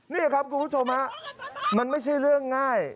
นี่ครับคุณผู้ชมฮะมันไม่ใช่เรื่องง่าย